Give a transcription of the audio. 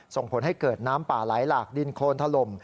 ส่งผลให้เกิดน้ำป่าไหลหลากดินโคนถล่ม